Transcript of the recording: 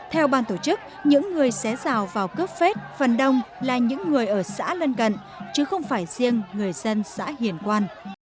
theo ban tổ chức những người xé rào vào cướp phết phần đông là những người ở xã lân cận chứ không phải riêng người dân xã hiền quan